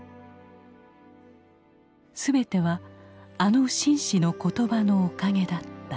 全てはあの紳士の言葉のおかげだった。